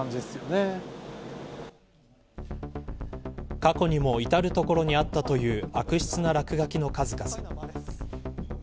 過去にも至る所にあったという悪質な落書きの数々。